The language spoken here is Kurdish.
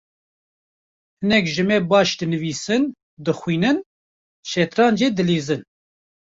Hinek ji me baş dinivîsin, dixwînin, şetrancê dilîzin.